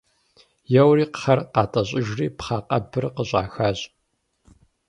Еуэри кхъэр къатӀэщӀыжри пхъэ къэбыр къыщӀахащ.